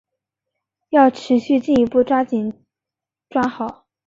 要持续进一步抓紧抓好